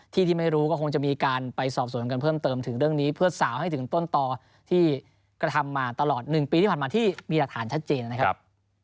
ที่ที่ไม่รู้ก็คงจะมีการไปสอบสวนกันเพิ่มเติมถึงเรื่องนี้เพื่อสาวให้ถึงต้นต่อที่กระทำมาตลอด๑ปีที่ผ่านมาที่มีหลักฐานชัดเจนนะครับ